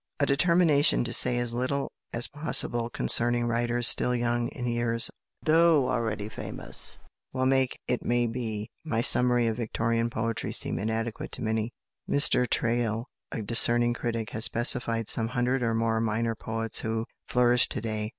A determination to say as little as possible concerning writers still young in years, though already famous, will make, it may be, my summary of Victorian poetry seem inadequate to many. Mr Traill, a discerning critic, has specified some hundred or more "minor poets" who flourish to day!